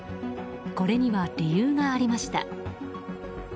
これには理由がありました。